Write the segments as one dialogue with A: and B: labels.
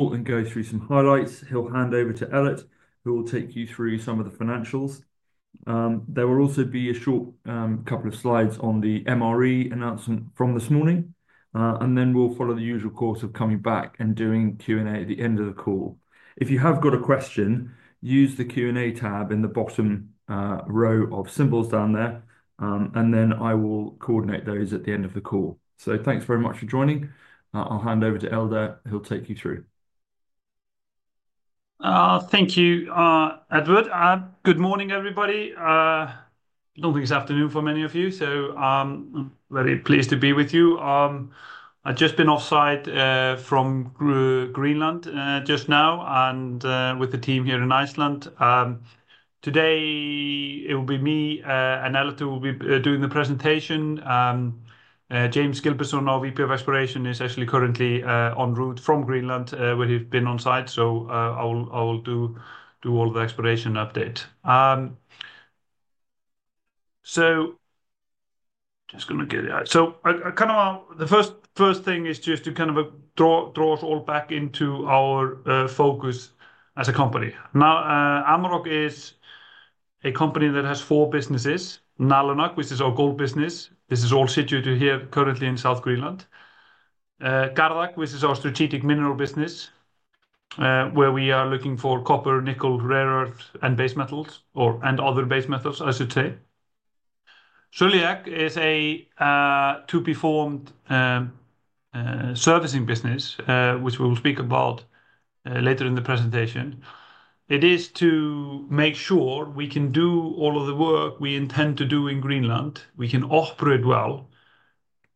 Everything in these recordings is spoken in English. A: Go through some highlights. He'll hand over to Ellert, who will take you through some of the financials. There will also be a short couple of slides on the MRE announcement from this morning, and we will follow the usual course of coming back and doing Q&A at the end of the call. If you have got a question, use the Q&A tab in the bottom row of symbols down there, and I will coordinate those at the end of the call. Thanks very much for joining. I'll hand over to Eldur; he'll take you through.
B: Thank you, Edward. Good morning, everybody. I do not think it is afternoon for many of you, so I am very pleased to be with you. I have just been off-site from Greenland just now and with the team here in Iceland. Today it will be me and Ellert who will be doing the presentation. James Gilbertson, our VP of ExpLORANion, is actually currently en route from Greenland, where he has been on-site, so I will do all the expLORANion update. I am just going to get it out. The first thing is just to kind of draw us all back into our focus as a company. Now, Amaroq is a company that has four businesses: Nalunaq, which is our gold business. This is all situated here currently in South Greenland. Gardaq, which is our strategic mineral business, where we are looking for copper, nickel, rare earth, and other base metals, I should say. Suliaq is a two-form servicing business, which we will speak about later in the presentation. It is to make sure we can do all of the work we intend to do in Greenland. We can operate well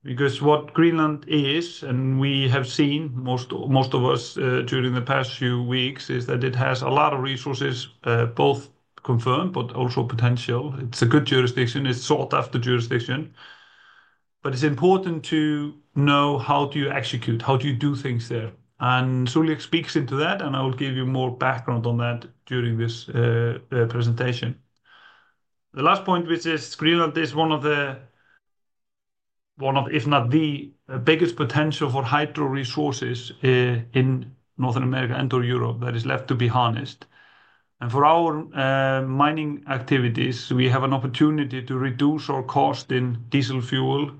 B: because what Greenland is, and we have seen most of us during the past few weeks, is that it has a lot of resources, both confirmed but also potential. It is a good jurisdiction. It is a sought-after jurisdiction. It is important to know how to execute, how to do things there. Suliaq speaks into that, and I will give you more background on that during this presentation. The last point, which is Greenland is one of the, if not the, biggest potential for hydro resources in North America and/or Europe that is left to be harnessed. For our mining activities, we have an opportunity to reduce our cost in diesel fuel,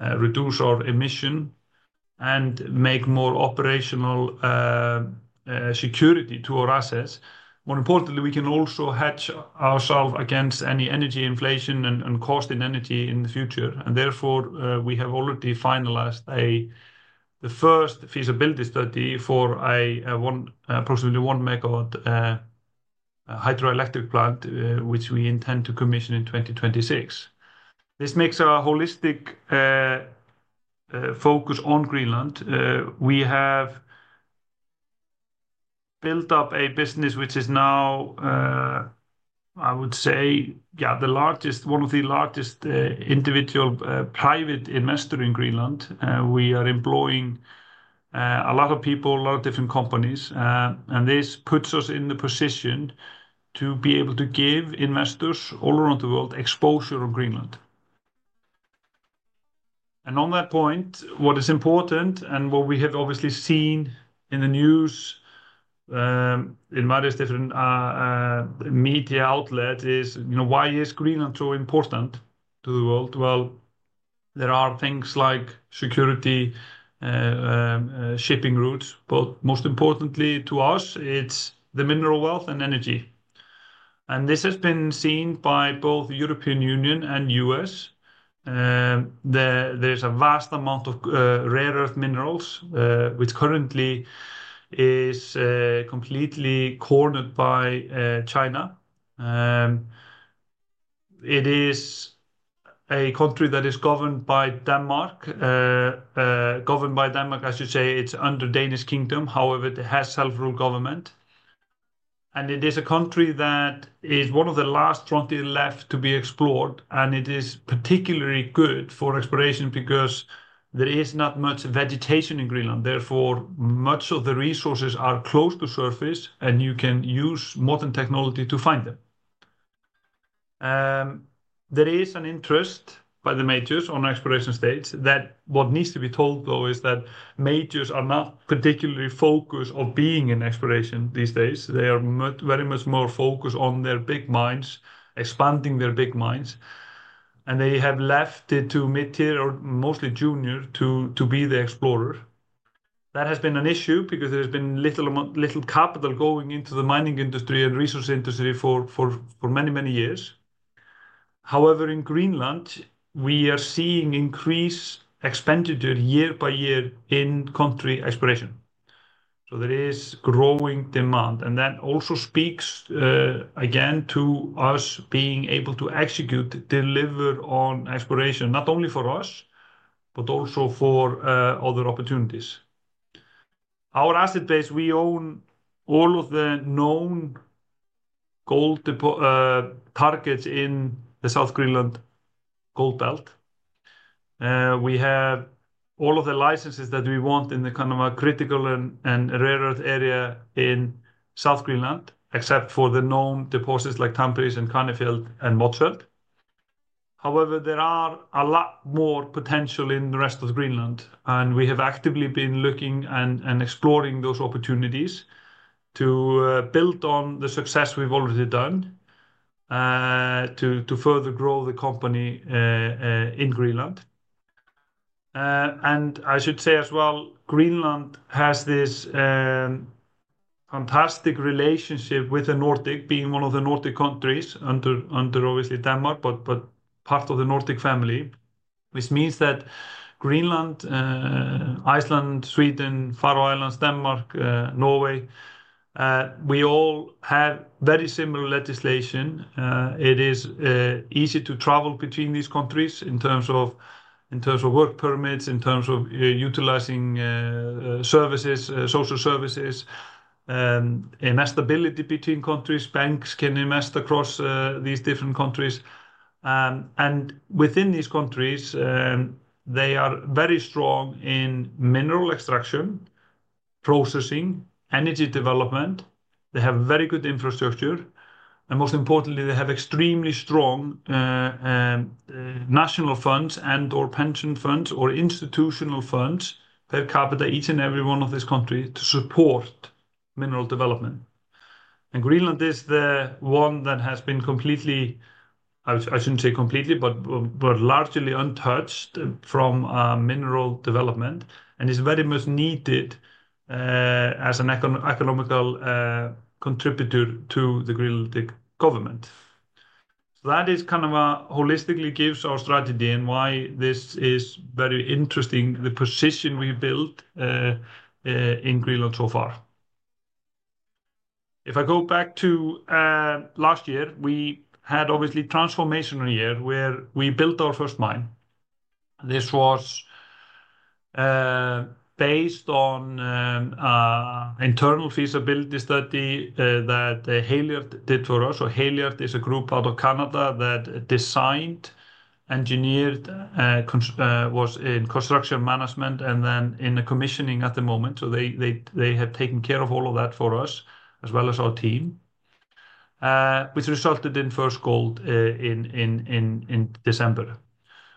B: reduce our emission, and make more operational security to our assets. More importantly, we can also hedge ourselves against any energy inflation and cost in energy in the future. Therefore, we have already finalized the first feasibility study for approximately 1 megawatt hydroelectric plant, which we intend to commission in 2026. This makes our holistic focus on Greenland. We have built up a business which is now, I would say, yeah, the largest, one of the largest individual private investors in Greenland. We are employing a lot of people, a lot of different companies, and this puts us in the position to be able to give investors all around the world exposure of Greenland. On that point, what is important and what we have obviously seen in the news in various different media outlets is, you know, why is Greenland so important to the world? There are things like security, shipping routes, but most importantly to us, it's the mineral wealth and energy. This has been seen by both the European Union and the US. There's a vast amount of rare earth minerals, which currently is completely cornered by China. It is a country that is governed by Denmark. Governed by Denmark, I should say, it's under the Danish Kingdom. However, it has self-rule government. It is a country that is one of the last frontiers left to be explored. It is particularly good for expLORANion because there is not much vegetation in Greenland. Therefore, much of the resources are close to surface, and you can use modern technology to find them. There is an interest by the majors on expLORANion states. What needs to be told, though, is that majors are not particularly focused on being in expLORANion these days. They are very much more focused on their big mines, expanding their big mines. They have left it to mid-tier or mostly junior to be the explorer. That has been an issue because there has been little capital going into the mining industry and resource industry for many, many years. However, in Greenland, we are seeing increased expenditure year by year in country expLORANion. There is growing demand. That also speaks again to us being able to execute, deliver on expLORANion, not only for us, but also for other opportunities. Our asset base, we own all of the known gold targets in the South Greenland Gold Belt. We have all of the licenses that we want in the kind of critical and rare earth area in South Greenland, except for the known deposits like Tanbreez and Kvanefjeld and Motzfeldt. However, there is a lot more potential in the rest of Greenland. We have actively been looking and exploring those opportunities to build on the success we've already done to further grow the company in Greenland. I should say as well, Greenland has this fantastic relationship with the Nordic, being one of the Nordic countries under, obviously, Denmark, but part of the Nordic family, which means that Greenland, Iceland, Sweden, Faroe Islands, Denmark, Norway, we all have very similar legislation. It is easy to travel between these countries in terms of work permits, in terms of utilizing social services, invest ability between countries. Banks can invest across these different countries. Within these countries, they are very strong in mineral extraction, processing, energy development. They have very good infrastructure. Most importantly, they have extremely strong national funds and/or pension funds or institutional funds per capita each and every one of these countries to support mineral development. Greenland is the one that has been completely, I shouldn't say completely, but largely untouched from mineral development and is very much needed as an economical contributor to the Greenlandic government. That is kind of what holistically gives our strategy and why this is very interesting, the position we've built in Greenland so far. If I go back to last year, we had obviously a transformational year where we built our first mine. This was based on internal feasibility study that Hatch did for us. Hatch is a group out of Canada that designed, engineered, was in construction management, and then in commissioning at the moment. They have taken care of all of that for us, as well as our team, which resulted in first gold in December.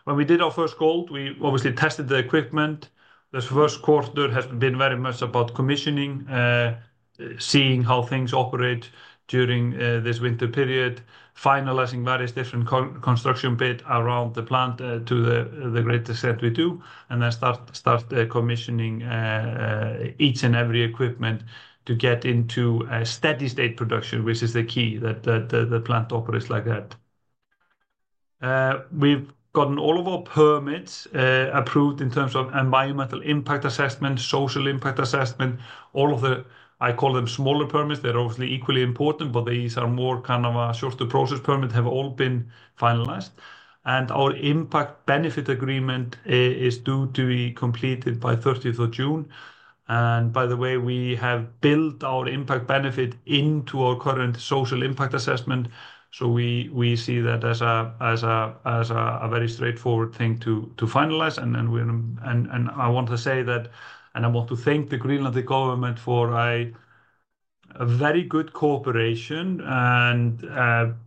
B: When we did our first gold, we obviously tested the equipment. The first quarter has been very much about commissioning, seeing how things operate during this winter period, finalizing various different construction bits around the plant to the greatest extent we do, and then start commissioning each and every equipment to get into a steady-state production, which is the key that the plant operates like that. We've gotten all of our permits approved in terms of environmental impact assessment, social impact assessment, all of the, I call them smaller permits. They're obviously equally important, but these are more kind of short-to-process permits, have all been finalized. Our impact benefit agreement is due to be completed by 30th of June. By the way, we have built our impact benefit into our current social impact assessment. We see that as a very straightforward thing to finalize. I want to say that, and I want to thank the Greenlandic government for a very good cooperation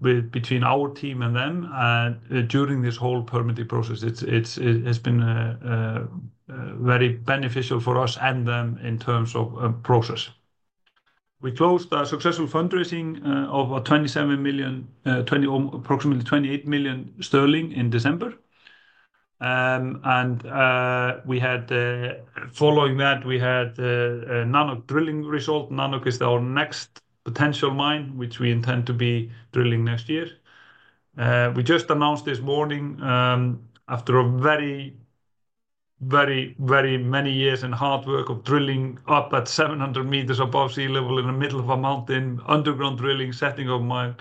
B: between our team and them during this whole permitting process. It has been very beneficial for us and them in terms of process. We closed a successful fundraising of approximately GBP 28 million in December. Following that, we had Nanoq drilling result. Nanoq is our next potential mine, which we intend to be drilling next year. We just announced this morning after very, very, very many years and hard work of drilling up at 700 meters above sea level in the middle of a mountain, underground drilling, setting up mine,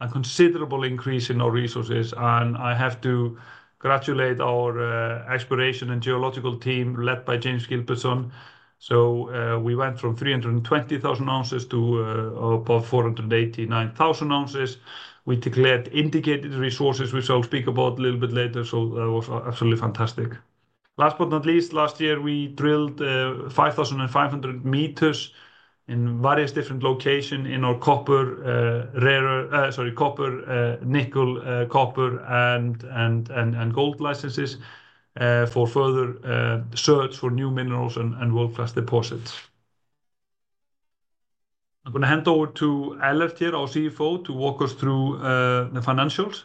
B: a considerable increase in our resources. I have to congratulate our expLORANion and geological team led by James Gilbertson. We went from 320,000 ounces to about 489,000 ounces. We declared indicated resources, which I'll speak about a little bit later. That was absolutely fantastic. Last but not least, last year, we drilled 5,500 meters in various different locations in our copper, sorry, copper, nickel, copper, and gold licenses for further search for new minerals and world-class deposits. I'm going to hand over to Ellert here, our CFO, to walk us through the financials.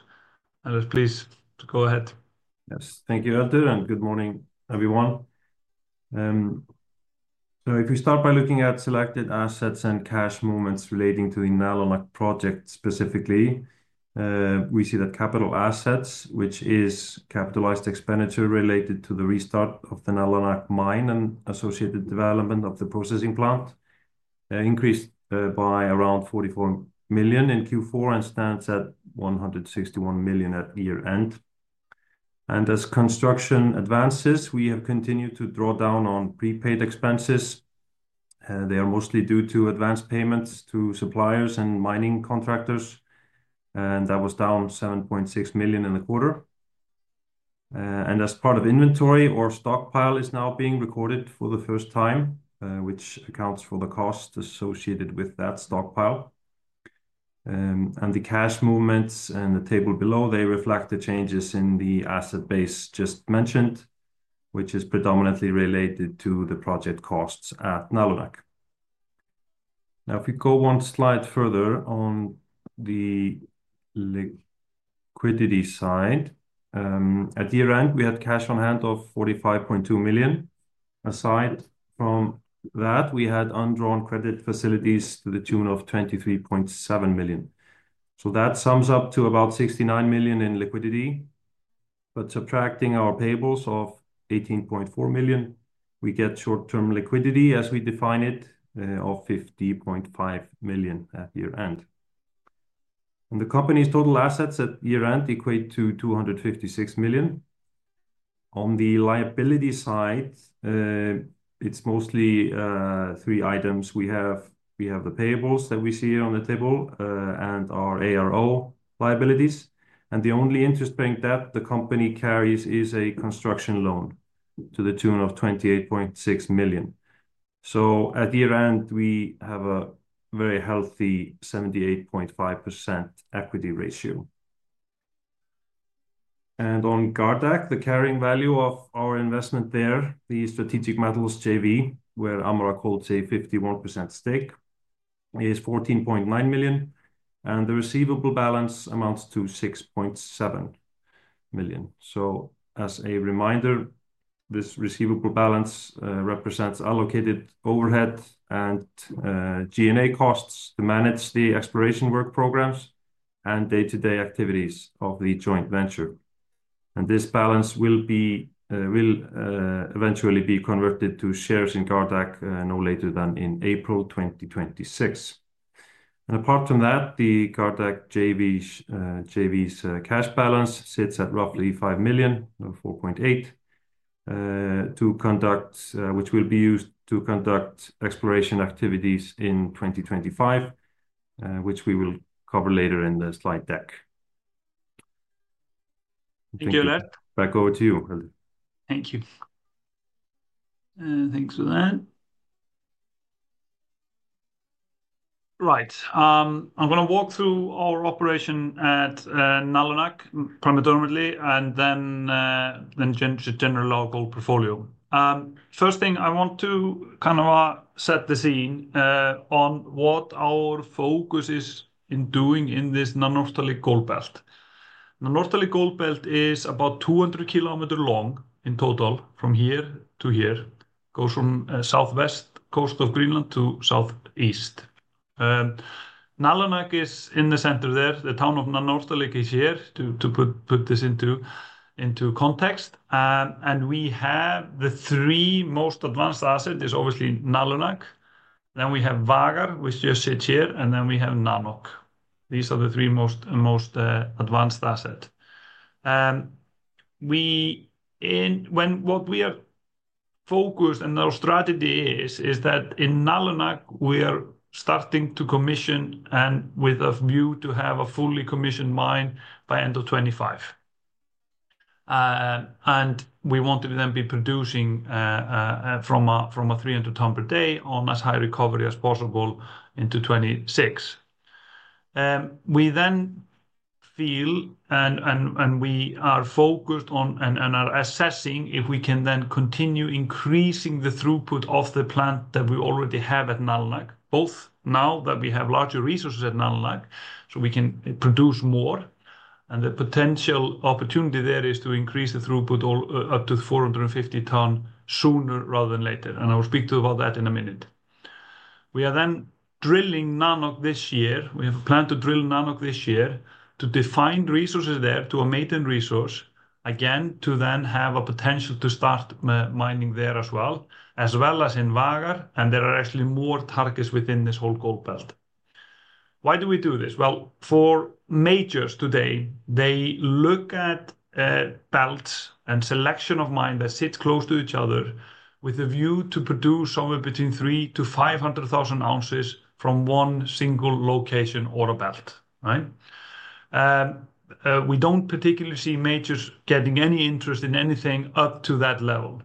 B: Ellert, please go ahead.
C: Yes, thank you, Eldur, and good morning, everyone. If we start by looking at selected assets and cash movements relating to the Nalunaq Project specifically, we see that capital assets, which is capitalized expenditure related to the restart of the Nalunaq mine and associated development of the processing plant, increased by around 44 million in Q4 and stands at 161 million at year-end. As construction advances, we have continued to draw down on prepaid expenses. They are mostly due to advance payments to suppliers and mining contractors. That was down 7.6 million in the quarter. As part of inventory, our stockpile is now being recorded for the first time, which accounts for the cost associated with that stockpile. The cash movements and the table below reflect the changes in the asset base just mentioned, which is predominantly related to the project costs at Nalunaq. Now, if we go one slide further on the liquidity side, at year-end, we had cash on hand of $45.2 million. Aside from that, we had undrawn credit facilities to the tune of $23.7 million. That sums up to about $69 million in liquidity. Subtracting our payables of $18.4 million, we get short-term liquidity, as we define it, of $50.5 million at year-end. The company's total assets at year-end equate to $256 million. On the liability side, it is mostly three items. We have the payables that we see here on the table and our ARO liabilities. The only interest-bearing debt the company carries is a construction loan to the tune of $28.6 million. At year-end, we have a very healthy 78.5% equity ratio. On Gardaq, the carrying value of our investment there, the Strategic Metals JV, where Amaroq holds a 51% stake, is 14.9 million. The receivable balance amounts to 6.7 million. As a reminder, this receivable balance represents allocated overhead and G&A costs to manage the expLORANion work programs and day-to-day activities of the joint venture. This balance will eventually be converted to shares in Gardaq no later than in April 2026. Apart from that, the Gardaq JV's cash balance sits at roughly 5 million, 4.8 million, which will be used to conduct expLORANion activities in 2025, which we will cover later in the slide deck.
B: Thank you, Ellert.
C: Back over to you, Eldur.
B: Thank you. Thanks for that. Right. I'm going to walk through our operation at Nalunaq primarily, and then general our gold portfolio. First thing, I want to kind of set the scene on what our focus is in doing in this Nanortalik Gold Belt. The Nanortalik Gold Belt is about 200 km long in total from here to here. It goes from southwest coast of Greenland to southeast. Nalunaq is in the center there. The town of Nanortalik is here to put this into context. And we have the three most advanced assets is obviously Nalunaq. Then we have Vagar, which just sits here. And then we have Nanoq. These are the three most advanced assets. What we are focused on and our strategy is that in Nalunaq, we are starting to commission and with a view to have a fully commissioned mine by end of 2025. We want to then be producing from a 300 ton per day on as high recovery as possible into 2026. We then feel, and we are focused on and are assessing if we can then continue increasing the throughput of the plant that we already have at Nalunaq, both now that we have larger resources at Nalunaq, so we can produce more. The potential opportunity there is to increase the throughput up to 450 ton sooner rather than later. I will speak to you about that in a minute. We are then drilling Nanoq this year. We have planned to drill Nanoq this year to define resources there to a maintenance resource, again, to then have a potential to start mining there as well, as well as in Vagar. There are actually more targets within this whole gold belt. Why do we do this? For majors today, they look at belts and selection of mine that sit close to each other with a view to produce somewhere between 300,000-500,000 ounces from one single location or a belt. We do not particularly see majors getting any interest in anything up to that level.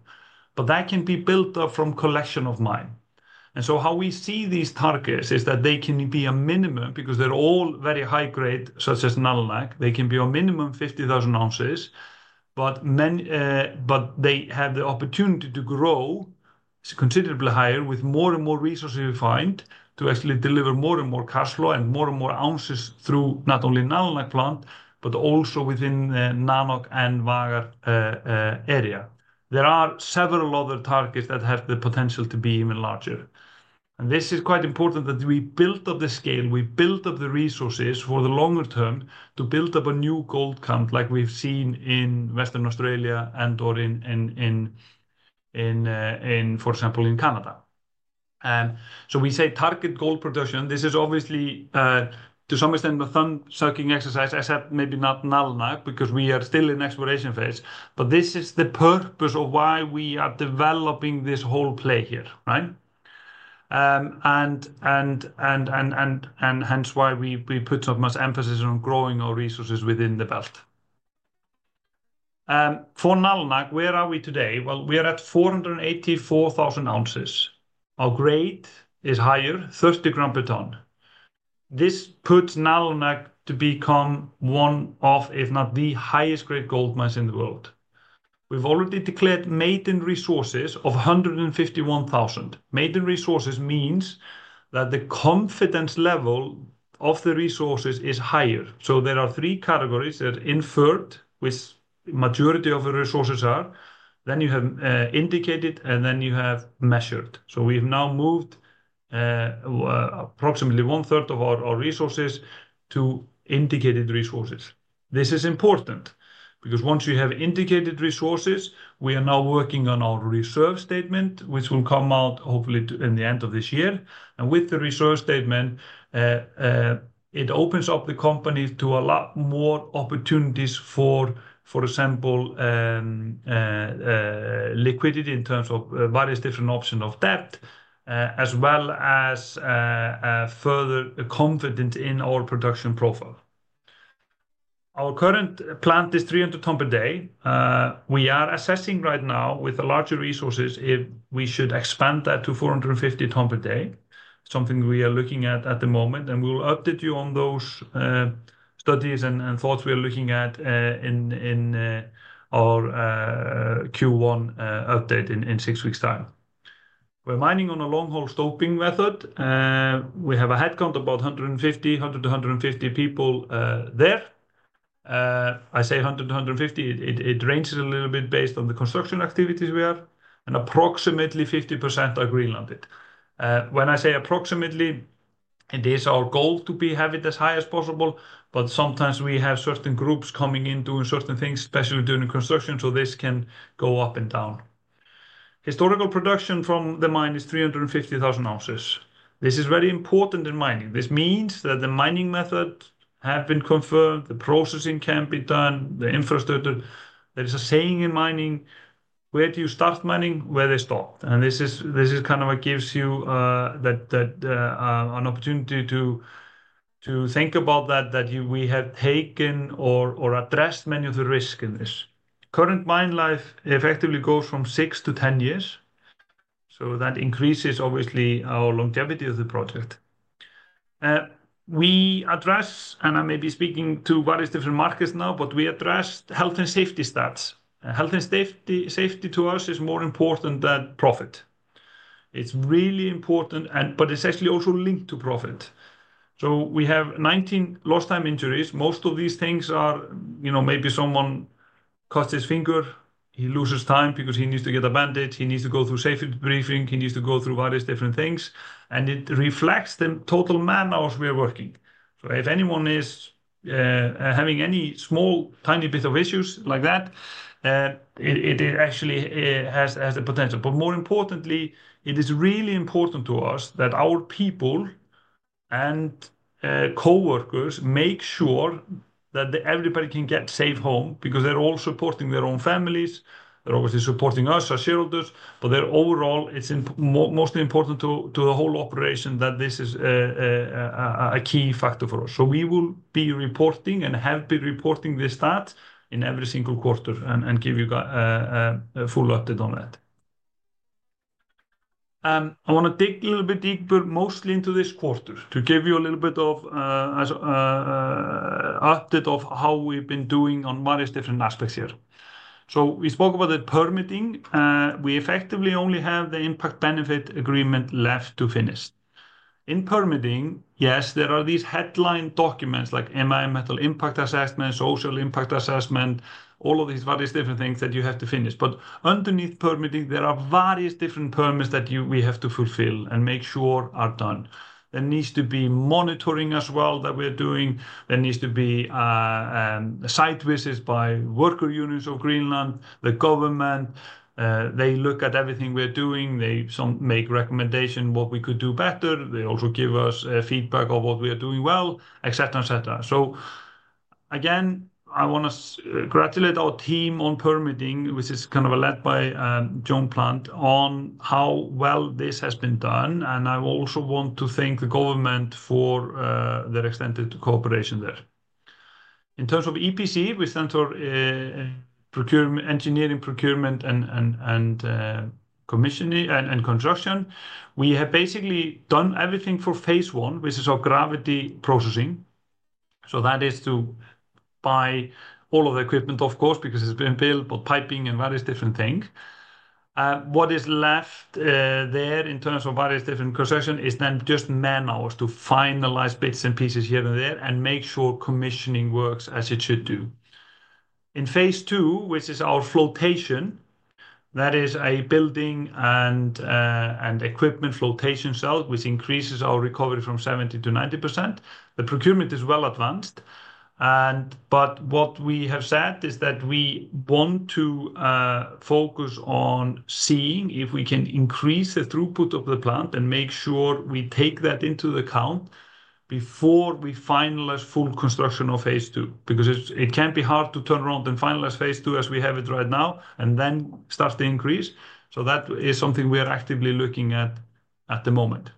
B: That can be built up from collection of mine. How we see these targets is that they can be a minimum, because they are all very high grade, such as Nalunaq, they can be a minimum 50,000 ounces. They have the opportunity to grow considerably higher with more and more resources defined to actually deliver more and more cash flow and more and more ounces through not only Nalunaq plant, but also within the Nanoq and Vagar area. There are several other targets that have the potential to be even larger. This is quite important that we build up the scale, we build up the resources for the longer term to build up a new gold camp like we've seen in Western Australia and/or in, for example, in Canada. We say target gold production, this is obviously, to some extent, a thumb-sucking exercise. I said maybe not Nalunaq because we are still in expLORANion phase. This is the purpose of why we are developing this whole play here. Hence why we put so much emphasis on growing our resources within the belt. For Nalunaq, where are we today? We are at 484,000 ounces. Our grade is higher, 30 gram per ton. This puts Nalunaq to become one of, if not the highest grade gold mines in the world. We've already declared maintenance resources of 151,000. Maintenance resources means that the confidence level of the resources is higher. There are three categories that inferred with majority of the resources are. Then you have indicated, and then you have measured. We have now moved approximately one-third of our resources to indicated resources. This is important because once you have indicated resources, we are now working on our reserve statement, which will come out hopefully in the end of this year. With the reserve statement, it opens up the company to a lot more opportunities for, for example, liquidity in terms of various different options of debt, as well as further confidence in our production profile. Our current plant is 300 ton per day. We are assessing right now with the larger resources if we should expand that to 450 ton per day, something we are looking at at the moment. We will update you on those studies and thoughts we are looking at in our Q1 update in six weeks' time. We are mining on a long-hole stoping method. We have a headcount of about 100-150 people there. I say 100-150, it ranges a little bit based on the construction activities we have. Approximately 50% are Greenlanded. When I say approximately, it is our goal to have it as high as possible. Sometimes we have certain groups coming in doing certain things, especially during construction, so this can go up and down. Historical production from the mine is 350,000 ounces. This is very important in mining. This means that the mining methods have been confirmed, the processing can be done, the infrastructure. There is a saying in mining, where do you start mining, where they stop. This is kind of what gives you an opportunity to think about that, that we have taken or addressed many of the risks in this. Current mine life effectively goes from 6-10 years. That increases obviously our longevity of the project. We address, and I may be speaking to various different markets now, but we address health and safety stats. Health and safety to us is more important than profit. It is really important, but it is actually also linked to profit. We have 19 lost time injuries. Most of these things are maybe someone cuts his finger, he loses time because he needs to get a bandage, he needs to go through safety briefing, he needs to go through various different things. It reflects the total man hours we are working. If anyone is having any small, tiny bit of issues like that, it actually has the potential. More importantly, it is really important to us that our people and coworkers make sure that everybody can get safe home because they are all supporting their own families. They are obviously supporting us as shareholders, but overall, it is mostly important to the whole operation that this is a key factor for us. We will be reporting and have been reporting these stats in every single quarter and give you a full update on that. I want to dig a little bit deeper, mostly into this quarter, to give you a little bit of an update of how we have been doing on various different aspects here. We spoke about the permitting. We effectively only have the impact benefit agreement left to finish. In permitting, yes, there are these headline documents like EIA, social impact assessment, all of these various different things that you have to finish. Underneath permitting, there are various different permits that we have to fulfill and make sure are done. There needs to be monitoring as well that we're doing. There needs to be site visits by worker unions of Greenland, the government. They look at everything we're doing. They make recommendations on what we could do better. They also give us feedback on what we are doing well, et cetera, et cetera. I want to congratulate our team on permitting, which is kind of led by Joan Plant, on how well this has been done. I also want to thank the government for their extended cooperation there. In terms of EPC, which stands for Engineering, Procurement, and Construction, we have basically done everything for phase one, which is our gravity processing. That is to buy all of the equipment, of course, because it has been built, but piping and various different things. What is left there in terms of various different construction is then just man hours to finalize bits and pieces here and there and make sure commissioning works as it should do. In phase two, which is our flotation, that is a building and equipment flotation cell, which increases our recovery from 70% to 90%. The procurement is well advanced. What we have said is that we want to focus on seeing if we can increase the throughput of the plant and make sure we take that into account before we finalize full construction of phase two, because it can be hard to turn around and finalize phase two as we have it right now and then start to increase. That is something we are actively looking at at the moment.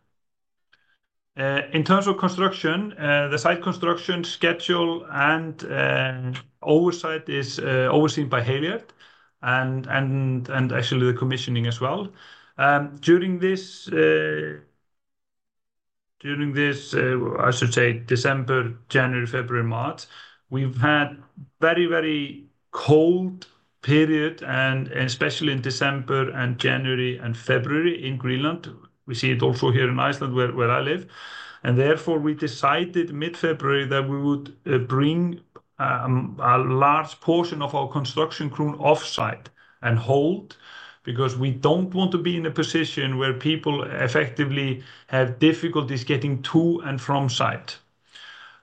B: In terms of construction, the site construction schedule and oversight is overseen by Halyard and actually the commissioning as well. During this, I should say, December, January, February, March, we've had a very, very cold period, and especially in December and January and February in Greenland. We see it also here in Iceland where I live. Therefore, we decided mid-February that we would bring a large portion of our construction crew off-site and hold because we do not want to be in a position where people effectively have difficulties getting to and from site.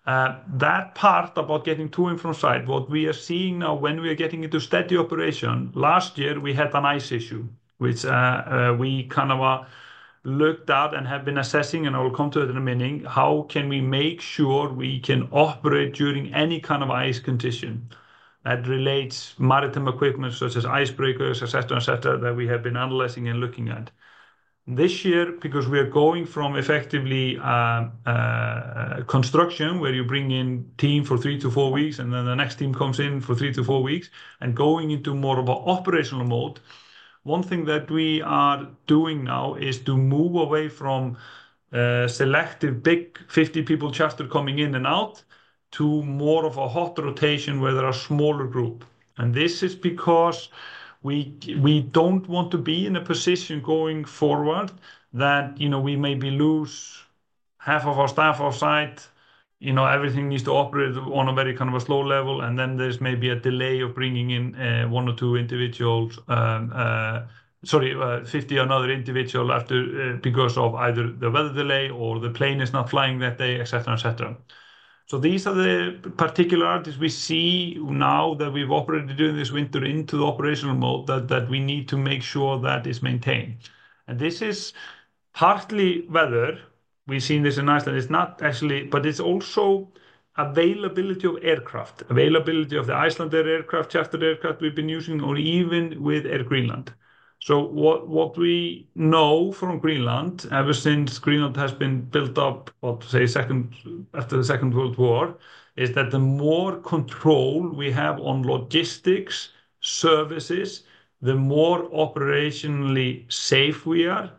B: That part about getting to and from site, what we are seeing now when we are getting into steady operation, last year, we had an ice issue, which we kind of looked at and have been assessing, and I will come to it in a minute, how can we make sure we can operate during any kind of ice condition that relates to maritime equipment such as icebreakers, et cetera, et cetera, that we have been analyzing and looking at. This year, because we are going from effectively construction where you bring in a team for three to four weeks, and then the next team comes in for three to four weeks, and going into more of an operational mode, one thing that we are doing now is to move away from selective big 50-people chapter coming in and out to more of a hot rotation where there are smaller groups. This is because we do not want to be in a position going forward that we maybe lose half of our staff off-site. Everything needs to operate on a very kind of a slow level. There is maybe a delay of bringing in one or two individuals, sorry, 50 or another individual because of either the weather delay or the plane is not flying that day, et cetera, et cetera. These are the particularities we see now that we've operated during this winter into the operational mode that we need to make sure that is maintained. This is partly weather. We've seen this in Iceland. It's not actually, but it's also availability of aircraft, availability of the Icelandair aircraft, charter aircraft we've been using, or even with Air Greenland. What we know from Greenland ever since Greenland has been built up, I'd say, after the Second World War, is that the more control we have on logistics, services, the more operationally safe we are,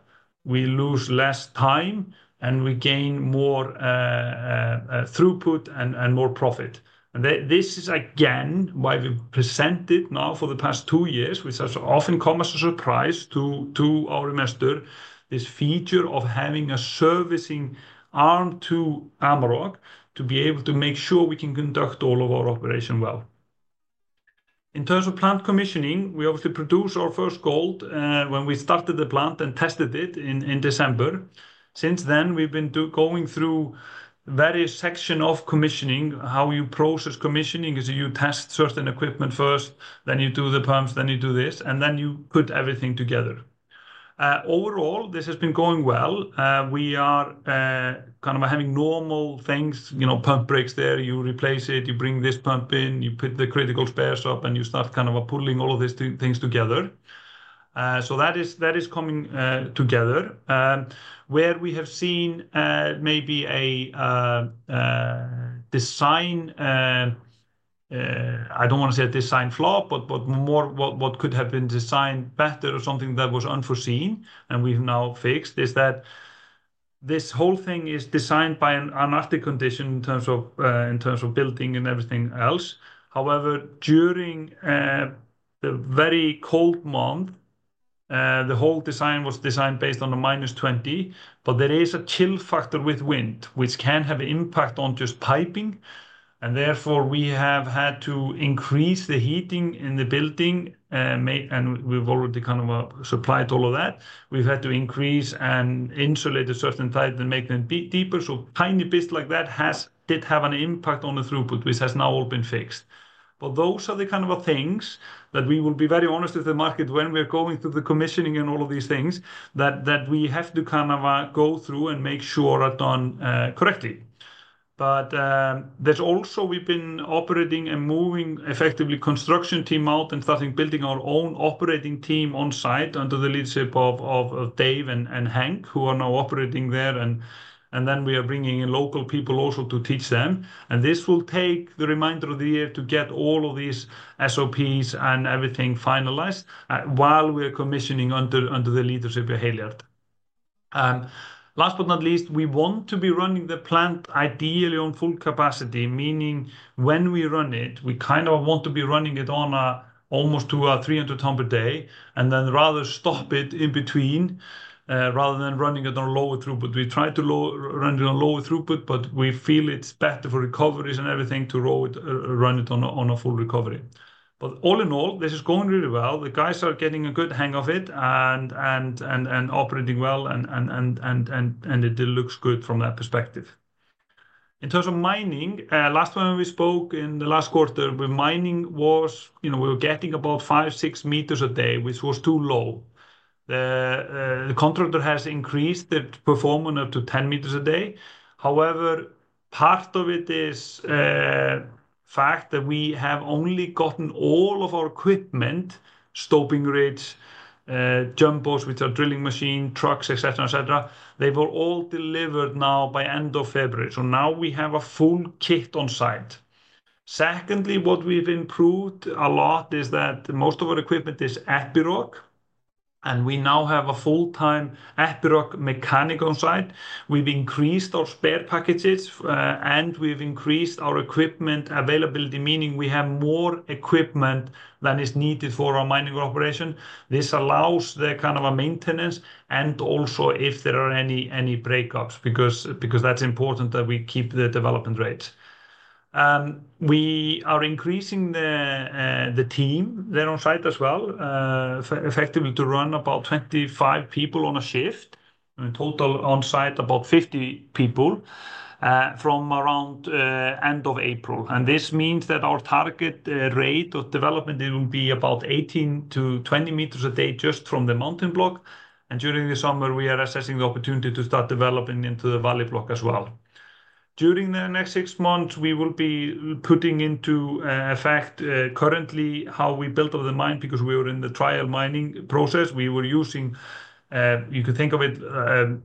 B: we lose less time, and we gain more throughput and more profit. This is, again, why we have presented now for the past two years, which has often come as a surprise to our investor, this feature of having a servicing arm to Amaroq to be able to make sure we can conduct all of our operation well. In terms of plant commissioning, we obviously produced our first gold when we started the plant and tested it in December. Since then, we have been going through various sections of commissioning. How you process commissioning is you test certain equipment first, then you do the pumps, then you do this, and then you put everything together. Overall, this has been going well. We are kind of having normal things, pump breaks there, you replace it, you bring this pump in, you put the critical spares up, and you start kind of pulling all of these things together. That is coming together. Where we have seen maybe a design, I don't want to say a design flaw, but more what could have been designed better or something that was unforeseen and we've now fixed is that this whole thing is designed by an Arctic condition in terms of building and everything else. However, during the very cold month, the whole design was designed based on the minus 20, but there is a chill factor with wind, which can have an impact on just piping. Therefore, we have had to increase the heating in the building, and we've already kind of supplied all of that. We've had to increase and insulate a certain type and make them deeper. Tiny bits like that did have an impact on the throughput, which has now all been fixed. Those are the kind of things that we will be very honest with the market when we're going through the commissioning and all of these things that we have to kind of go through and make sure are done correctly. There is also we have been operating and moving effectively construction team out and starting building our own operating team on site under the leadership of Dave and Hank, who are now operating there. We are bringing in local people also to teach them. This will take the remainder of the year to get all of these SOPs and everything finalized while we are commissioning under the leadership of Halyard. Last but not least, we want to be running the plant ideally on full capacity, meaning when we run it, we kind of want to be running it on almost 300 ton per day and then rather stop it in between rather than running it on lower throughput. We try to run it on lower throughput, but we feel it's better for recoveries and everything to run it on a full recovery. All in all, this is going really well. The guys are getting a good hang of it and operating well, and it looks good from that perspective. In terms of mining, last time we spoke in the last quarter, with mining was we were getting about five, six meters a day, which was too low. The contractor has increased the performance to 10 meters a day. However, part of it is the fact that we have only gotten all of our equipment, stopping rigs, jumpers, which are drilling machines, trucks, et cetera, et cetera. They were all delivered now by end of February. Now we have a full kit on site. Secondly, what we have improved a lot is that most of our equipment is Epiroc. We now have a full-time Epiroc mechanic on site. We have increased our spare packages, and we have increased our equipment availability, meaning we have more equipment than is needed for our mining operation. This allows the kind of maintenance and also if there are any breakups because that is important that we keep the development rate. We are increasing the team there on site as well, effectively to run about 25 people on a shift and total on site about 50 people from around end of April. This means that our target rate of development will be about 18-20 meters a day just from the mountain block. During the summer, we are assessing the opportunity to start developing into the valley block as well. During the next six months, we will be putting into effect currently how we built up the mine because we were in the trial mining process. We were using, you could think of it,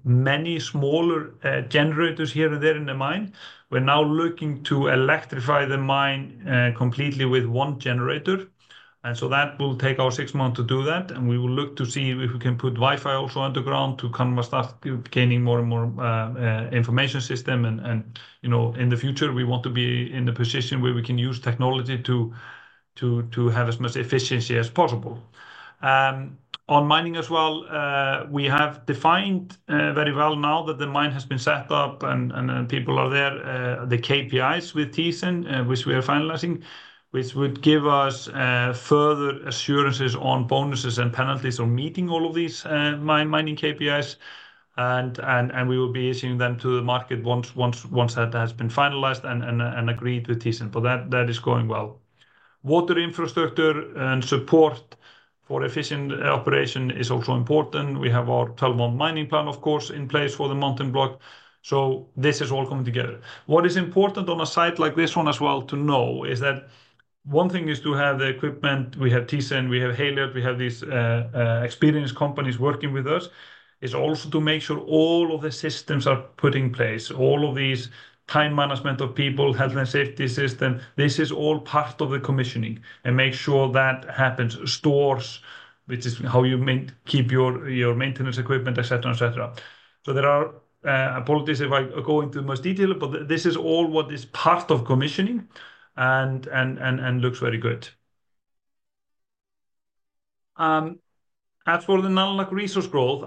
B: many smaller generators here and there in the mine. We are now looking to electrify the mine completely with one generator. That will take our six months to do that. We will look to see if we can put Wi-Fi also underground to kind of start gaining more and more information system. In the future, we want to be in a position where we can use technology to have as much efficiency as possible. On mining as well, we have defined very well now that the mine has been set up and people are there, the KPIs with Thyssen, which we are finalizing, which would give us further assurances on bonuses and penalties on meeting all of these mining KPIs. We will be issuing them to the market once that has been finalized and agreed with Thyssen. That is going well. Water infrastructure and support for efficient operation is also important. We have our 12-month mining plan, of course, in place for the mountain block. This is all coming together. What is important on a site like this one as well to know is that one thing is to have the equipment. We have Thyssen, we have Halyard, we have these experienced companies working with us. It is also to make sure all of the systems are put in place, all of these time management of people, health and safety system. This is all part of the commissioning and make sure that happens, stores, which is how you keep your maintenance equipment, et cetera, et cetera. There are policies if I go into the most detail, but this is all what is part of commissioning and looks very good. As for the Nalunaq resource growth,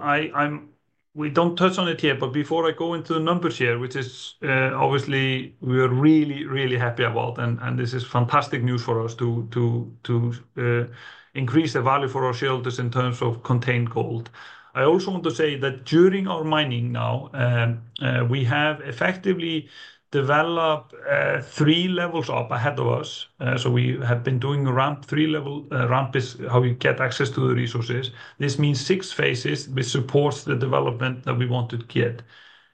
B: we do not touch on it here, but before I go into the numbers here, which is obviously we are really, really happy about, and this is fantastic news for us to increase the value for our shareholders in terms of contained gold. I also want to say that during our mining now, we have effectively developed three levels up ahead of us. We have been doing ramp, three-level ramp is how you get access to the resources. This means six phases which supports the development that we want to get.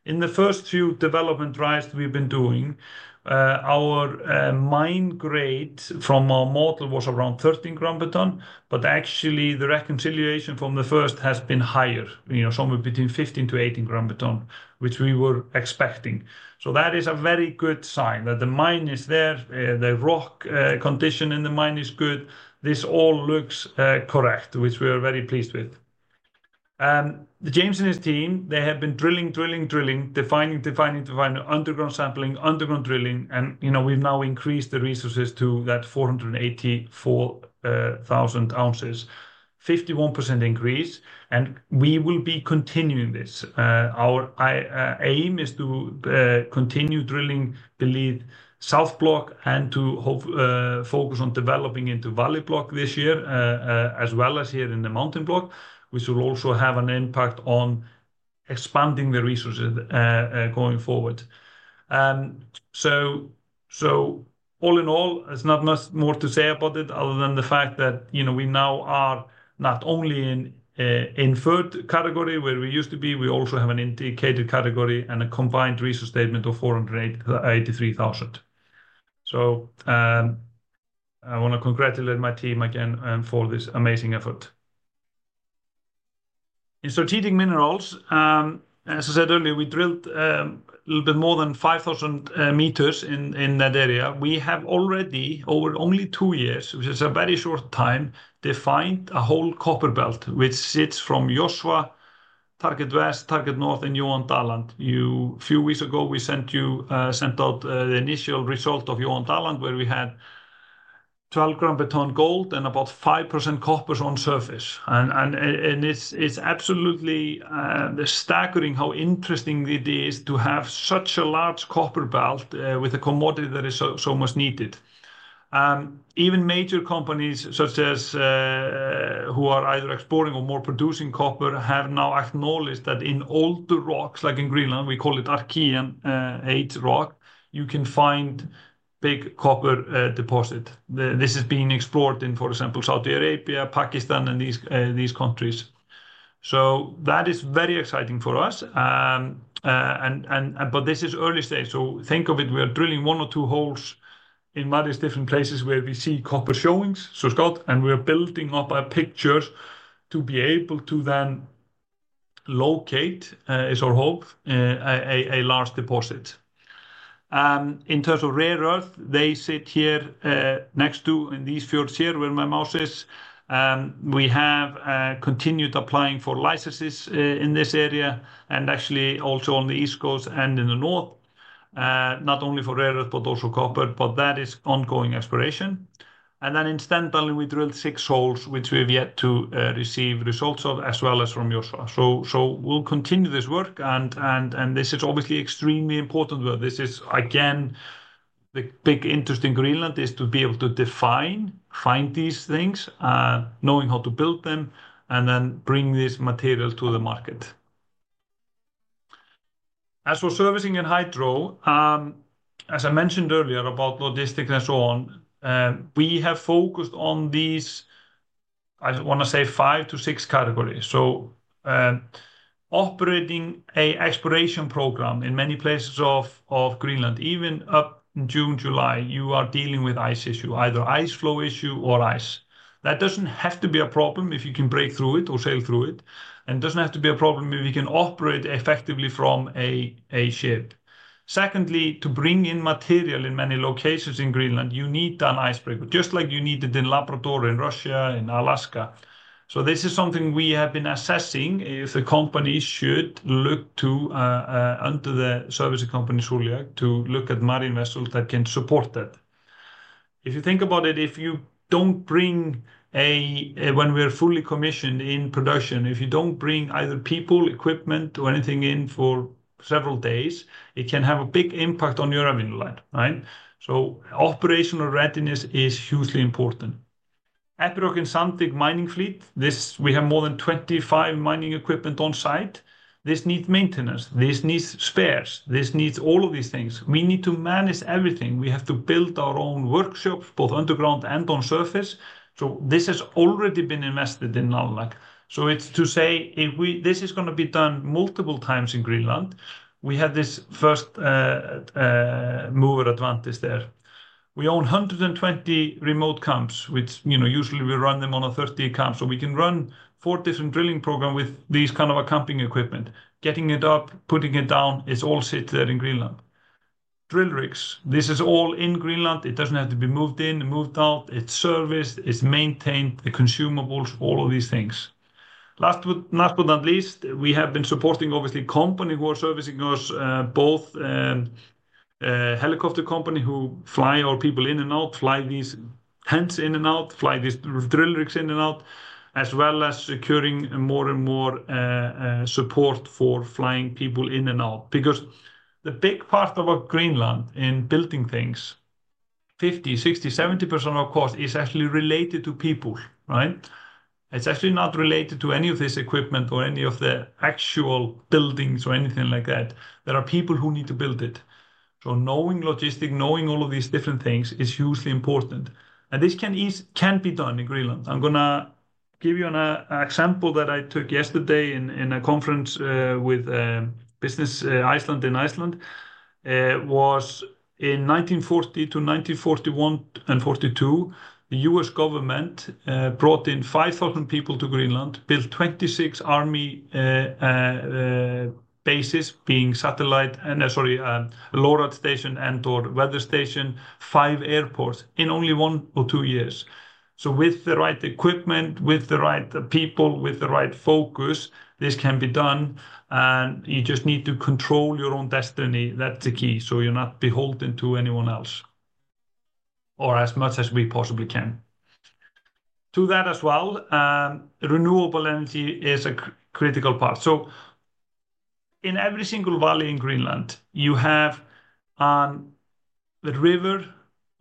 B: In the first few development drives we've been doing, our mine grade from our model was around 13 gram per ton, but actually the reconciliation from the first has been higher, somewhere between 15-18 gram per ton, which we were expecting. That is a very good sign that the mine is there, the rock condition in the mine is good. This all looks correct, which we are very pleased with. James and his team, they have been drilling, drilling, drilling, defining, defining, defining, underground sampling, underground drilling, and we've now increased the resources to that 484,000 ounces, 51% increase, and we will be continuing this. Our aim is to continue drilling, believe South Block, and to focus on developing into Valley Block this year, as well as here in the Mountain Block, which will also have an impact on expanding the resources going forward. All in all, there's not much more to say about it other than the fact that we now are not only in third category where we used to be, we also have an indicated category and a combined resource statement of 483,000. I want to congratulate my team again for this amazing effort. In strategic minerals, as I said earlier, we drilled a little bit more than 5,000 meters in that area. We have already, over only two years, which is a very short time, defined a whole copper belt, which sits from Josva, Target West, Target North, and Johan Dahl Land. A few weeks ago, we sent out the initial result of Johan Dahl Land, where we had 12 gram per ton gold and about 5% copper on surface. It is absolutely staggering how interesting it is to have such a large copper belt with a commodity that is so much needed. Even major companies who are either exploring or more producing copper have now acknowledged that in older rocks, like in Greenland, we call it Archaean age rock, you can find big copper deposits. This is being explored in, for example, Saudi Arabia, Pakistan, and these countries. That is very exciting for us. This is early stage. Think of it, we are drilling one or two holes in various different places where we see copper showings. Scott, and we are building up our pictures to be able to then locate, is our hope, a large deposit. In terms of rare earth, they sit here next to in these fields here where my mouse is. We have continued applying for licenses in this area and actually also on the East Coast and in the North, not only for rare earth, but also copper, but that is ongoing expLORANion. In Stendalen, we drilled six holes, which we've yet to receive results of, as well as from Josva. We will continue this work. This is obviously extremely important work. This is, again, the big interest in Greenland is to be able to define, find these things, knowing how to build them, and then bring this material to the market. As for servicing and hydro, as I mentioned earlier about logistics and so on, we have focused on these, I want to say, five to six categories. Operating an expLORANion program in many places of Greenland, even up in June, July, you are dealing with ice issue, either ice flow issue or ice. That does not have to be a problem if you can break through it or sail through it. It does not have to be a problem if you can operate effectively from a ship. Secondly, to bring in material in many locations in Greenland, you need an icebreaker, just like you need it in Labrador, in Russia, in Alaska. This is something we have been assessing if the companies should look to, under the servicing company Suliaq, to look at marine vessels that can support that. If you think about it, if you do not bring a, when we are fully commissioned in production, if you do not bring either people, equipment, or anything in for several days, it can have a big impact on your avenue line. Operational readiness is hugely important. Epiroc and Sandvik Mining Fleet, we have more than 25 mining equipment on site. This needs maintenance. This needs spares. This needs all of these things. We need to manage everything. We have to build our own workshops, both underground and on surface. This has already been invested in Nalunaq. It is to say if this is going to be done multiple times in Greenland, we have this first mover advantage there. We own 120 remote camps, which usually we run them on a 30 camp. So we can run four different drilling programs with these kind of camping equipment. Getting it up, putting it down, it all sits there in Greenland. Drill rigs, this is all in Greenland. It does not have to be moved in, moved out. It is serviced, it is maintained, the consumables, all of these things. Last but not least, we have been supporting, obviously, company who are servicing us, both helicopter company who fly our people in and out, fly these tents in and out, fly these drill rigs in and out, as well as securing more and more support for flying people in and out. Because the big part of our Greenland in building things, 50-70% of our cost is actually related to people. It's actually not related to any of this equipment or any of the actual buildings or anything like that. There are people who need to build it. Knowing logistics, knowing all of these different things is hugely important. This can be done in Greenland. I'm going to give you an example that I took yesterday in a conference with Business Iceland in Iceland. It was in 1940 to 1941 and 1942, the U.S. government brought in 5,000 people to Greenland, built 26 army bases, being satellite, sorry, a LORAN station and/or weather station, five airports in only one or two years. With the right equipment, with the right people, with the right focus, this can be done. You just need to control your own destiny. That's the key. You're not beholden to anyone else or as much as we possibly can. To that as well, renewable energy is a critical part. In every single valley in Greenland, you have the river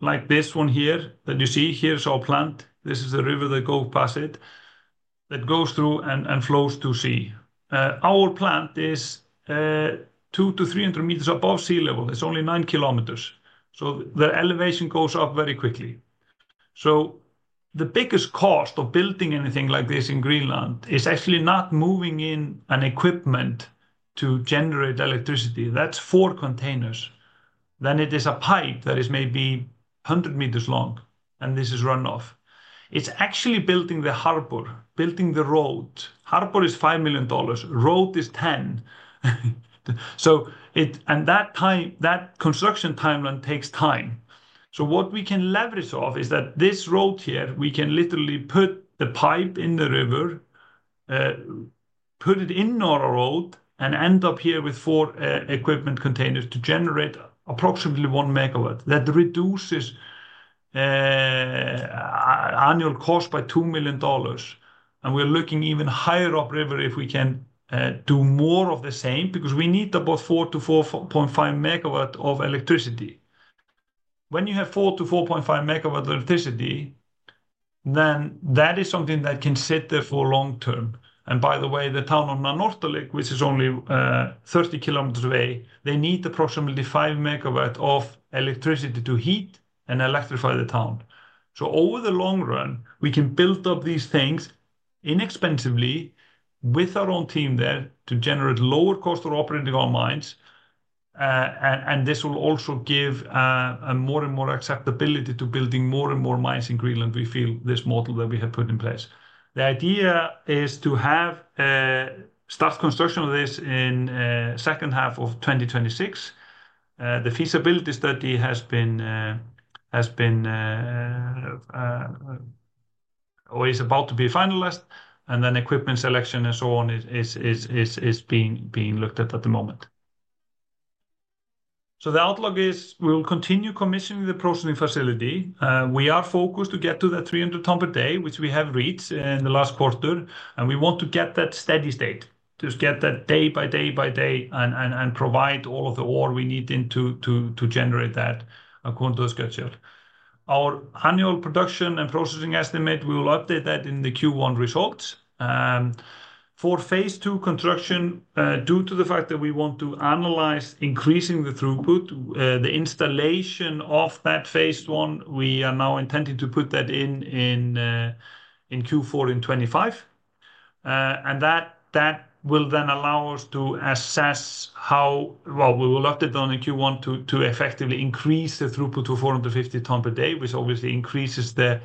B: like this one here that you see. Here is our plant. This is the river that goes past it, that goes through and flows to sea. Our plant is 200-300 meters above sea level. It is only 9 kilometers. The elevation goes up very quickly. The biggest cost of building anything like this in Greenland is actually not moving in equipment to generate electricity. That is four containers. It is a pipe that is maybe 100 meters long, and this is runoff. It is actually building the harbor, building the road. Harbor is $5 million. Road is $10 million. That construction timeline takes time. What we can leverage off is that this road here, we can literally put the pipe in the river, put it in our road, and end up here with four equipment containers to generate approximately 1 megawatt. That reduces annual cost by $2 million. We are looking even higher up river if we can do more of the same because we need about 4-4.5 megawatts of electricity. When you have 4-4.5 megawatts of electricity, that is something that can sit there for a long term. By the way, the town of Nanortalik, which is only 30 km away, needs approximately 5 megawatts of electricity to heat and electrify the town. Over the long run, we can build up these things inexpensively with our own team there to generate lower cost of operating our mines. This will also give more and more acceptability to building more and more mines in Greenland. We feel this model that we have put in place, the idea is to have start construction of this in the second half of 2026. The feasibility study has been or is about to be finalized. Equipment selection and so on is being looked at at the moment. The outlook is we will continue commissioning the processing facility. We are focused to get to that 300 tons per day, which we have reached in the last quarter. We want to get that steady state, just get that day by day by day and provide all of the ore we need to generate that according to the schedule. Our annual production and processing estimate, we will update that in the Q1 results. For phase two construction, due to the fact that we want to analyze increasing the throughput, the installation of that phase one, we are now intending to put that in Q4 in 2025. That will then allow us to assess how, well, we will update on the Q1 to effectively increase the throughput to 450 tons per day, which obviously increases the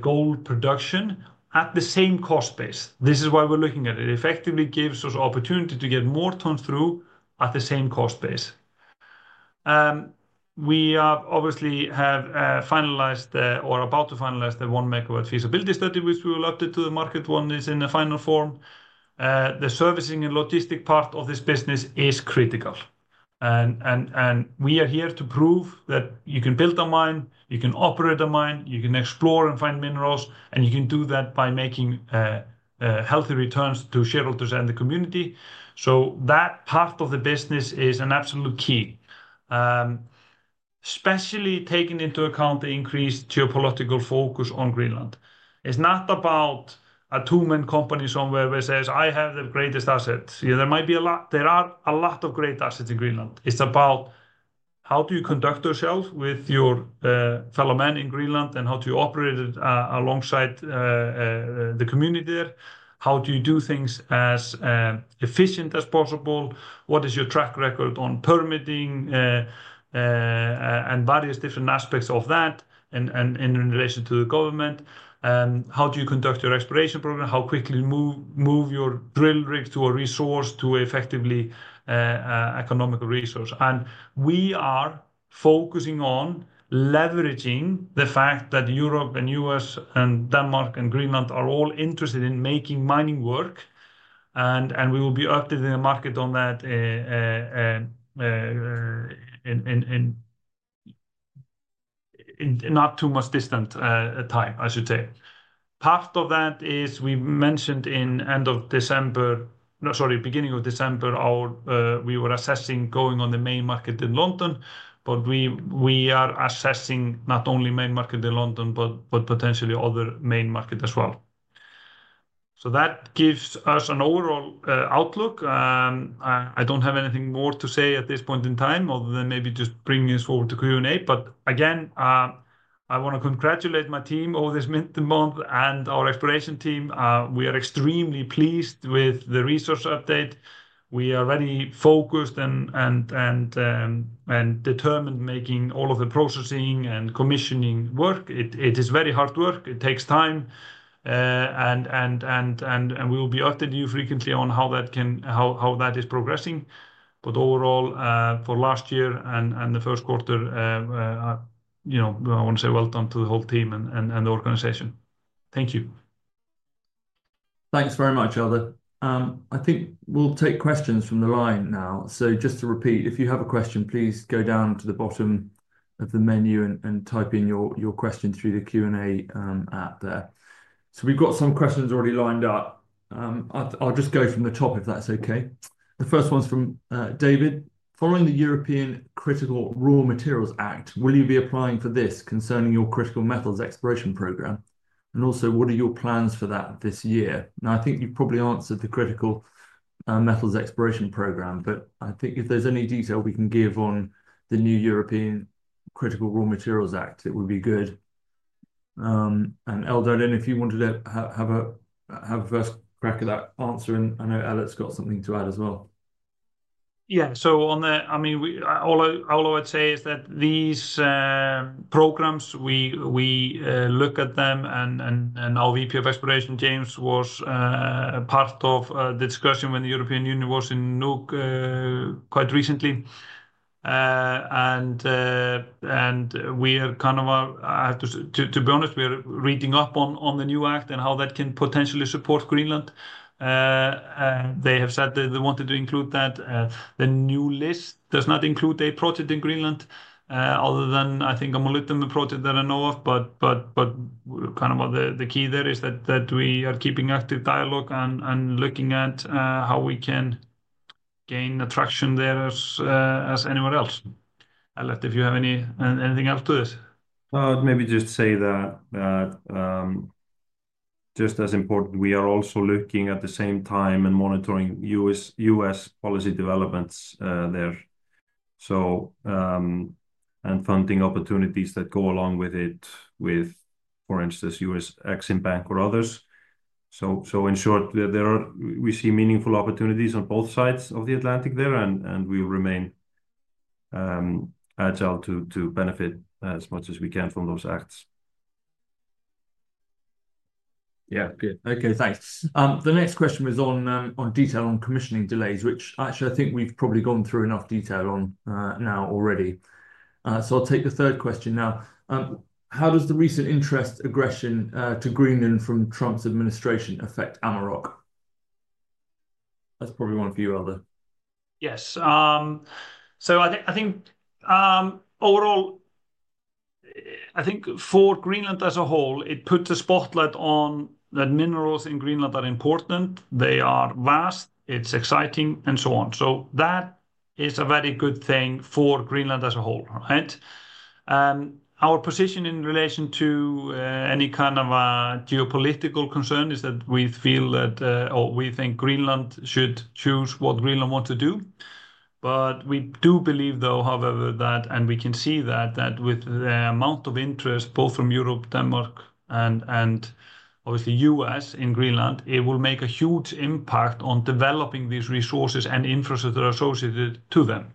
B: gold production at the same cost base. This is why we're looking at it. It effectively gives us opportunity to get more tons through at the same cost base. We obviously have finalized or are about to finalize the one megawatt feasibility study, which we will update to the market when it's in the final form. The servicing and logistic part of this business is critical. We are here to prove that you can build a mine, you can operate a mine, you can explore and find minerals, and you can do that by making healthy returns to shareholders and the community. That part of the business is an absolute key, especially taking into account the increased geopolitical focus on Greenland. It's not about a two-man company somewhere where it says, "I have the greatest assets." There might be a lot; there are a lot of great assets in Greenland. It's about how you conduct yourself with your fellow men in Greenland and how to operate it alongside the community there. How do you do things as efficient as possible? What is your track record on permitting and various different aspects of that in relation to the government? How do you conduct your expLORANion program? How quickly move your drill rigs to a resource to effectively economical resource? We are focusing on leveraging the fact that Europe, the US, Denmark, and Greenland are all interested in making mining work. We will be updating the market on that in not too much distant time, I should say. Part of that is we mentioned in end of December, sorry, beginning of December, we were assessing going on the main market in London, but we are assessing not only main market in London, but potentially other main market as well. That gives us an overall outlook. I do not have anything more to say at this point in time other than maybe just bringing this forward to Q&A. I want to congratulate my team over this month and our expLORANion team. We are extremely pleased with the resource update. We are very focused and determined making all of the processing and commissioning work. It is very hard work. It takes time. We will be updating you frequently on how that is progressing. Overall, for last year and the first quarter, I want to say well done to the whole team and the organization. Thank you.
A: Thanks very much, Eldur. I think we'll take questions from the line now. Just to repeat, if you have a question, please go down to the bottom of the menu and type in your question through the Q&A app there. We have some questions already lined up. I'll just go from the top if that's okay. The first one's from David. Following the European Critical Raw Materials Act, will you be applying for this concerning your critical metals expLORANion program? Also, what are your plans for that this year? I think you've probably answered the critical metals expLORANion program, but I think if there's any detail we can give on the new European Critical Raw Materials Act, it would be good. Eldur, I don't know if you wanted to have a first crack at that answer. I know Ellert's got something to add as well.
B: Yeah. On the, I mean, all I would say is that these programs, we look at them and our VP of ExpLORANion, James, was part of the discussion when the European Union was in Nuuk quite recently. We are kind of, to be honest, we are reading up on the new act and how that can potentially support Greenland. They have said that they wanted to include that. The new list does not include a project in Greenland other than, I think, a molybdenum project that I know of. Kind of the key there is that we are keeping active dialogue and looking at how we can gain attraction there as anywhere else. Ellert, if you have anything else to this.
C: I'd maybe just say that just as important, we are also looking at the same time and monitoring U.S. policy developments there. And funding opportunities that go along with it, with, for instance, U.S. Exim Bank or others. In short, we see meaningful opportunities on both sides of the Atlantic there, and we'll remain agile to benefit as much as we can from those acts.
A: Yeah. Okay. Thanks. The next question was on detail on commissioning delays, which actually I think we've probably gone through enough detail on now already. I'll take the third question now. How does the recent interest aggression to Greenland from Trump's administration affect Amaroq? That's probably one for you, Eldur.
B: Yes. I think overall, I think for Greenland as a whole, it puts a spotlight on that minerals in Greenland are important. They are vast. It's exciting and so on. That is a very good thing for Greenland as a whole. Our position in relation to any kind of geopolitical concern is that we feel that or we think Greenland should choose what Greenland wants to do. We do believe, though, however, that, and we can see that, that with the amount of interest, both from Europe, Denmark, and obviously US in Greenland, it will make a huge impact on developing these resources and infrastructure associated to them.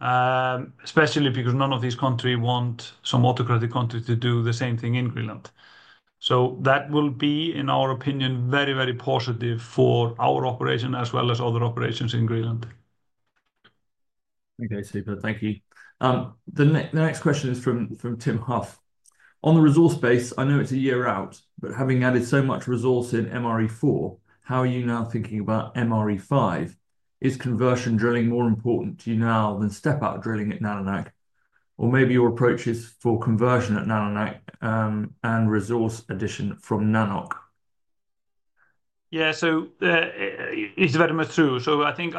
B: Especially because none of these countries want some autocratic countries to do the same thing in Greenland. That will be, in our opinion, very, very positive for our operation as well as other operations in Greenland.
A: Okay. Super. Thank you. The next question is from Tim Huff. On the resource base, I know it's a year out, but having added so much resource in MRE4, how are you now thinking about MRE5? Is conversion drilling more important to you now than step-out drilling at Nalunaq? Or maybe your approach is for conversion at Nalunaq and resource addition from Nanoq?
B: Yeah. It is very much true. I think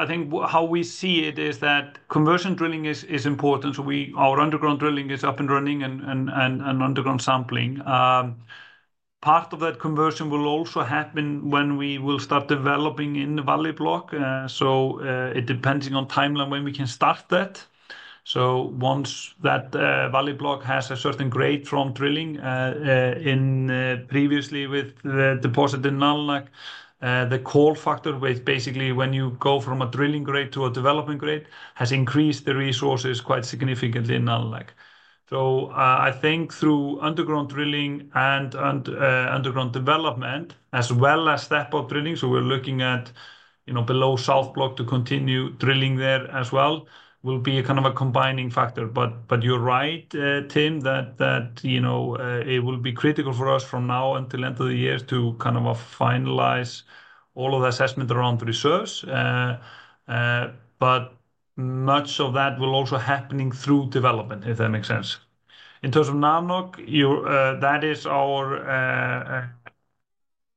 B: how we see it is that conversion drilling is important. Our underground drilling is up and running and underground sampling. Part of that conversion will also happen when we will start developing in the valley block. It depends on timeline when we can start that. Once that valley block has a certain grade from drilling, previously with the deposit in Nalunaq, the core factor, basically when you go from a drilling grade to a development grade, has increased the resources quite significantly in Nalunaq. I think through underground drilling and underground development, as well as step-out drilling, so we're looking at below South Block to continue drilling there as well, will be a kind of a combining factor. You're right, Tim, that it will be critical for us from now until the end of the year to kind of finalize all of the assessment around resource. Much of that will also happen through development, if that makes sense. In terms of Nanoq, that is our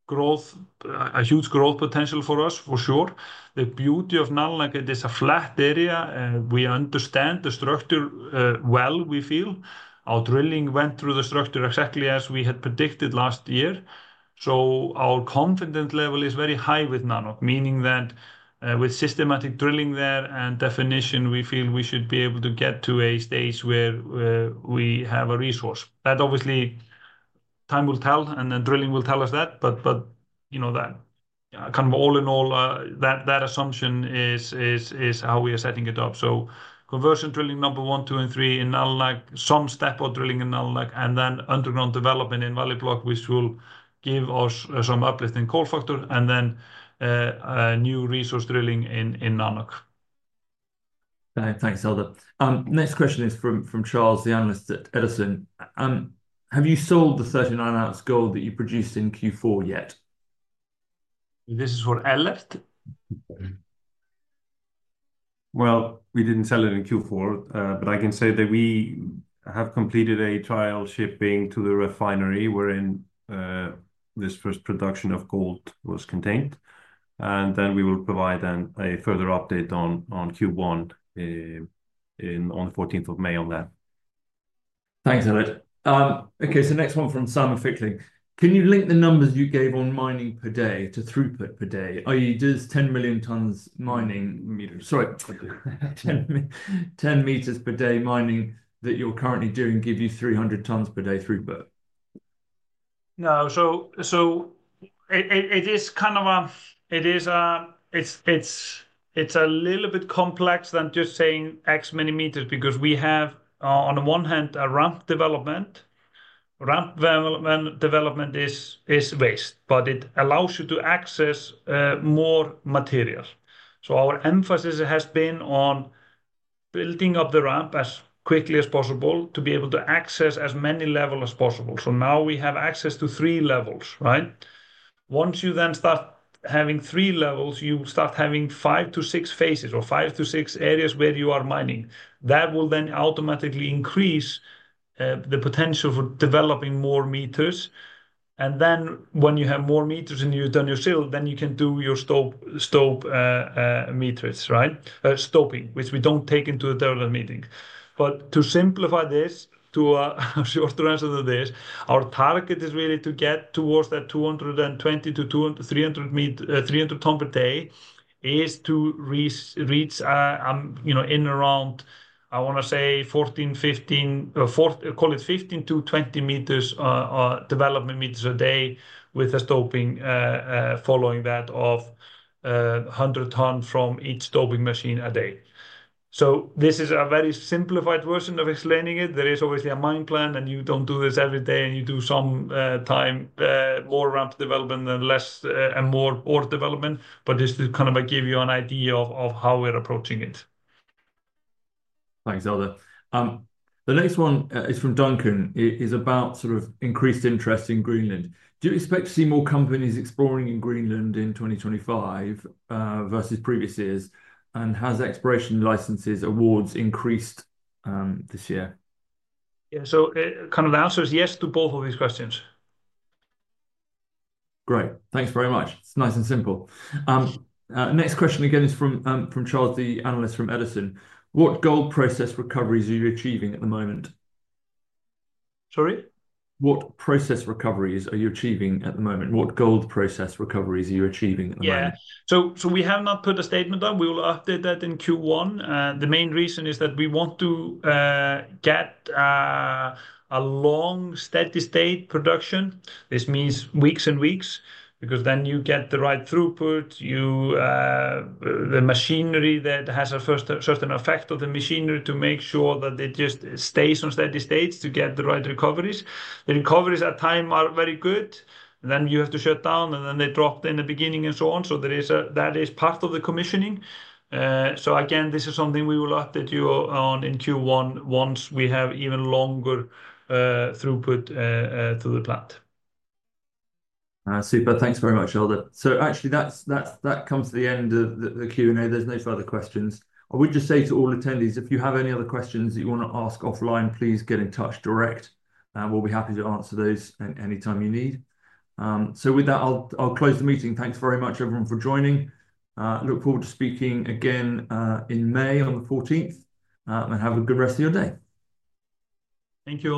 B: growth, a huge growth potential for us, for sure. The beauty of Nalunaq, it is a flat area. We understand the structure well, we feel.
C: Our drilling went through the structure exactly as we had predicted last year. Our confidence level is very high with Nanoq, meaning that with systematic drilling there and definition, we feel we should be able to get to a stage where we have a resource. That obviously, time will tell, and drilling will tell us that. All in all, that assumption is how we are setting it up. Conversion drilling number one, two, and three in Nalunaq, some step-out drilling in Nalunaq, and underground development in Valley Block, which will give us some uplift in core factor, and new resource drilling in Nanoq.
A: Thanks, Eldur. Next question is from Charles, the analyst at Edison. Have you sold the 39 ounce gold that you produced in Q4 yet?
B: This is for Ellert.
C: We did not sell it in Q4, but I can say that we have completed a trial shipping to the refinery wherein this first production of gold was contained. We will provide a further update on Q1 on the 14th of May on that.
A: Thanks, Ellert. Okay. Next one from Simon Fickling. Can you link the numbers you gave on mining per day to throughput per day? Are you just 10 million tons mining? Sorry. Ten meters per day mining that you are currently doing give you 300 tons per day throughput?
B: No. It is kind of a, it is a little bit complex than just saying X many meters because we have, on the one hand, a ramp development. Ramp development is waste, but it allows you to access more material. Our emphasis has been on building up the ramp as quickly as possible to be able to access as many levels as possible. Now we have access to three levels, right? Once you then start having three levels, you start having five to six phases or five to six areas where you are mining. That will then automatically increase the potential for developing more meters. When you have more meters and you've done your fill, then you can do your stope meters, right? Stoping, which we don't take into the development meeting. To simplify this, to a shorter answer to this, our target is really to get towards that 220-300 tons per day is to reach in around, I want to say, 14, 15, call it 15-20 meters development meters a day with a stoping following that of 100 tons from each stoping machine a day. This is a very simplified version of explaining it. There is obviously a mine plan, and you do not do this every day, and you do some time more ramp development and less and more port development. This is kind of give you an idea of how we are approaching it.
A: Thanks, Eldur. The next one is from Duncan. It is about sort of increased interest in Greenland. Do you expect to see more companies exploring in Greenland in 2025 versus previous years? Has Exploration licenses awards increased this year?
B: Yeah. Kind of the answer is yes to both of these questions.
A: Great. Thanks very much. It's nice and simple. Next question again is from Charles, the analyst from Edison. What gold process recoveries are you achieving at the moment?
B: Sorry.
A: What process recoveries are you achieving at the moment? What gold process recoveries are you achieving at the moment?
B: Yeah. We have not put a statement on. We will update that in Q1. The main reason is that we want to get a long steady state production. This means weeks and weeks because then you get the right throughput, the machinery that has a certain effect of the machinery to make sure that it just stays on steady states to get the right recoveries. The recoveries at time are very good. You have to shut down, and then they dropped in the beginning and so on. That is part of the commissioning. Again, this is something we will update you on in Q1 once we have even longer throughput to the plant.
A: Super. Thanks very much, Eldur. Actually, that comes to the end of the Q&A. There are no further questions. I would just say to all attendees, if you have any other questions that you want to ask offline, please get in touch direct. We will be happy to answer those anytime you need. With that, I will close the meeting. Thanks very much, everyone, for joining. Look forward to speaking again in May on the 14th. Have a good rest of your day.
B: Thank you.